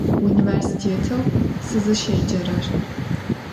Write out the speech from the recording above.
Vunivêrsitêteu sızışêcerer.